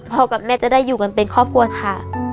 กับแม่จะได้อยู่กันเป็นครอบครัวค่ะ